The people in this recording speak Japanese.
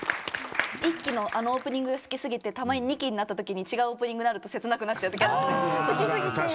１期のあのオープニングが好き過ぎてたまに２期になったときに違うオープニングになると切なくなっちゃうときある。